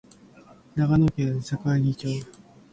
長野県坂城町